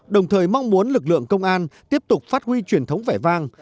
đồng thời mong muốn lực lượng công an tiếp tục phát huy truyền thống vẻ vang